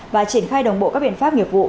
và triển khai đồng bộ các biện pháp nghiệp vụ